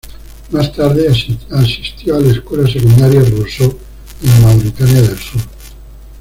Más tarde, asistió a la escuela secundaria Rosso en Mauritania del sur.